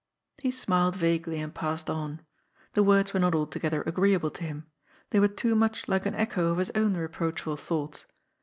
He smiled vaguely, and passed on. The words were not altogether agreeable to him ; they were too much like an echo of his own reproachful thoughts.